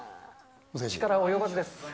力及ばずです。